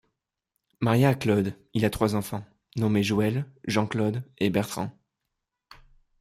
Marié à Claude, il a trois enfants nommés Joëlle, Jean-Claude et Bertrand.